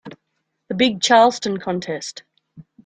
The big Charleston contest.